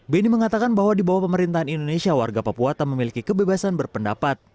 beni mengatakan bahwa di bawah pemerintahan indonesia warga papua tak memiliki kebebasan berpendapat